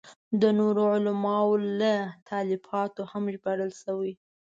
د نورو علماوو له تالیفاتو هم ژباړل شوي.